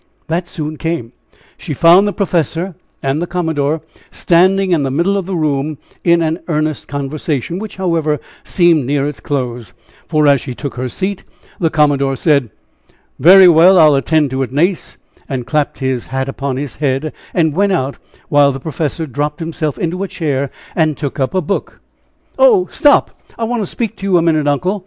That soon came. She found the professor and the commodore standing in the middle of the room, in an earnest conversation, which, however, seemed near its close, for as she took her seat, the commodore said: "Very well I'll attend to it, Nace," and clapped his hat upon his head, and went out, while the professor dropped himself into a chair, and took up a book. "Oh, stop, I want to speak to you a minute, uncle."